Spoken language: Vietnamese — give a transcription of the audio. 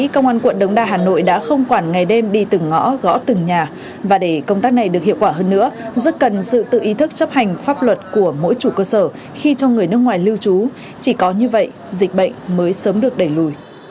công an quận đống đa đã phối hợp với các đơn vị chức năng phát hiện kịp thời và xử phạt một trường hợp người nước ngoài không khai báo tạm trú cho người nước ngoài không khai báo tạm trú